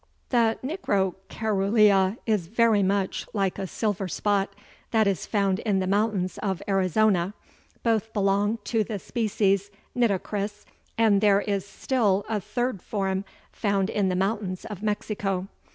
The nigrocaerulea is very much like a silver spot that is found in the mountains of Arizona; both belong to the species nitocris and there is still a third form found in the mountains of Mexico.